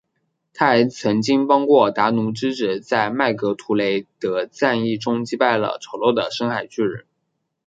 她还曾经帮助达努之子在麦格图雷德战役中击败了丑陋的深海巨人。